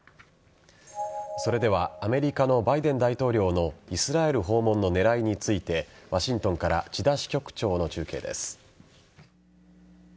それではアメリカのバイデン大統領のイスラエル訪問の狙いについてワシントンから千田支局長の中継です。